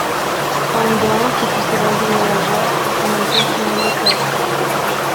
Pendant que tous s'abandonnent à la joie, on entend sonner le cor.